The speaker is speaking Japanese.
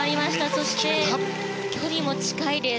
そして距離も近いです。